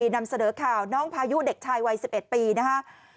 นำเสนอข่าวน้องพายุเด็กชายวัย๑๑ปีนะครับ